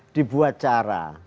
jadi dibuat cara